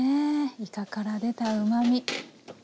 いかから出たうまみ。